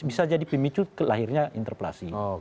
bisa jadi pemicu lahirnya interpelasi